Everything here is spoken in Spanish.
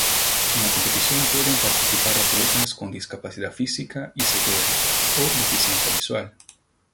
En la competición pueden participar atletas con discapacidad física y ceguera o deficiencia visual.